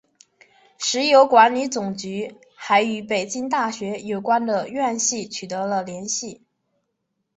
石油管理总局还与北京大学有关的院系取得了联系。